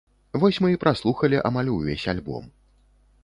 Вось мы і праслухалі амаль увесь альбом.